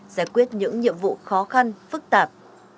giải quyết những nhiệm vụ khó khăn phức tạp